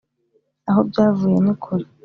Aho byavuye nikure.